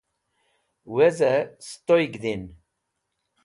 Weze! Sutoyg Din